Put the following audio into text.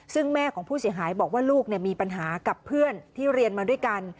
ซึ่งแม่ของผู้เสียหายบอกว่าลูกมีปัญหากับเพื่อนที่เรียนมาด้วยกัน